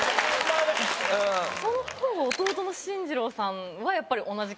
その頃弟の進次郎さんはやっぱり。